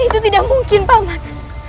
itu tidak mungkin pak umat